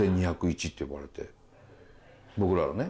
僕らのね。